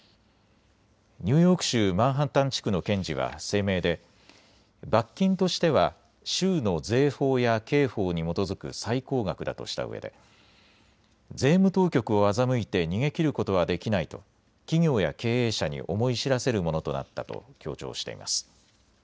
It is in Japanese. ニューヨーク州マンハッタン地区の検事は声明で罰金としては州の税法や刑法に基づく最高額だとしたうえで税務当局を欺いて逃げきることはできないと企業や経営者に思い知らせるものとなったと強調しています。